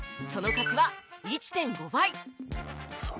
その価値は１．５倍。